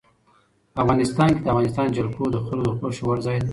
افغانستان کې د افغانستان جلکو د خلکو د خوښې وړ ځای دی.